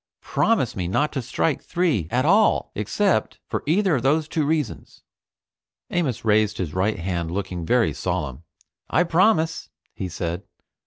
Promise me not to strike three at all except for either of those two reasons." Amos raised his right hand looking very solemn. "I promise," he said.